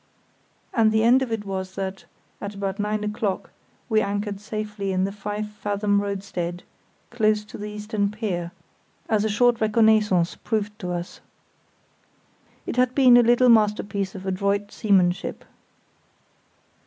And the end of it was that, at about nine o'clock, we anchored safely in the five fathom roadstead, close to the eastern pier, as a short reconnaissance proved to us. It had been a little masterpiece of adroit seamanship.